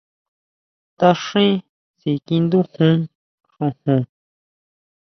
Taʼxín síkiʼindujun xojon.